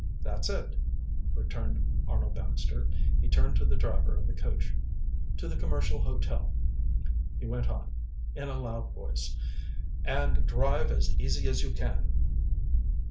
"That's it," returned Arnold Baxter. He turned to the driver of the coach. "To the Commercial Hotel," he went on, in a loud voice. "And drive as easy as you can."